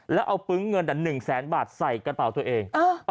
แล้วเอาปึ๊งเงินแต่๑แสนบาทใส่กระเป๋าตัวเอง